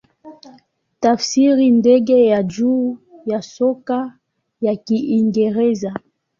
Tafsiri ndege ya juu ya soka ya Kiingereza.